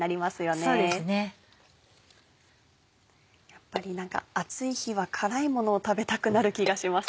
やっぱり何か暑い日は辛いものを食べたくなる気がします。